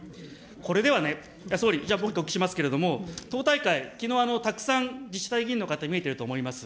これではね、総理、もう１個お聞きいたしますけれども、党大会、きのうたくさん自治体議員の方、見えていると思います。